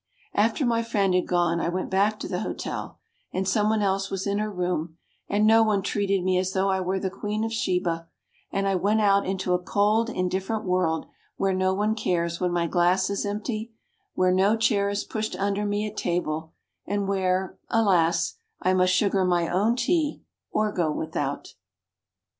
After my friend had gone I went back to the hotel and someone else was in her room and no one treated me as though I were the Queen of Sheba and I went out into a cold, indifferent world where no one cares when my glass is empty, where no chair is pushed under me at table and where, alas, I must sugar my own tea or go without.